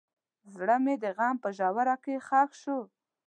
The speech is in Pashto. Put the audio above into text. زړه مې د غم په ژوره کې ښخ شو.